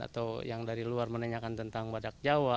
atau yang dari luar menanyakan tentang badak jawa